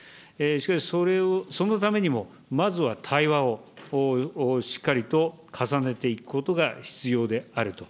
しかし、そのためにも、まずは対話をしっかりと重ねていくことが必要であると。